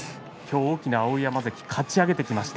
大きな碧山関かち上げてきました。